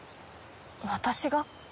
私が？